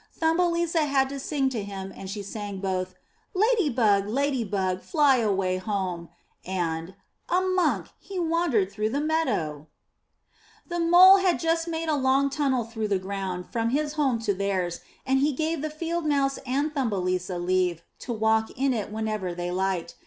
Thumbelisa had to sing to him and she sang both * 'Lady bug, Lady bug, fly away home,*' and *'A monk, he wandered through the meadow.*' 421 MY BOOK HOUSE The Mole had just made a long tunnel through the ground from his house to theirs, and he gave the Field Mouse and Thumbelisa leave to walk in it when ever they liked.